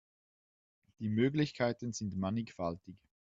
Die Möglichkeiten sind mannigfaltig.